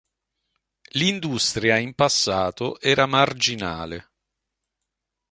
L'industria in passato era marginale.